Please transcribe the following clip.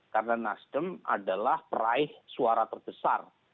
karena nasdem adalah peraih suara terbesar